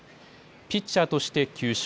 ピッチャーとして９勝。